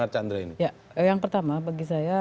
arkanra ini yang pertama bagi saya